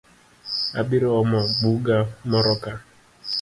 Abiro omo buga moroka